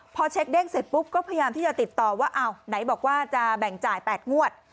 พอเช็คเด้งเสร็จปุ๊บก็พยายามที่จะติดต่อว่าอ้าวไหนบอกว่าจะแบ่งจ่าย๘งวด